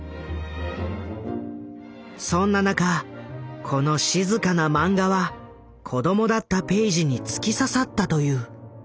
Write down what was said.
そんな中この静かなマンガは子供だったペイジに突き刺さったという。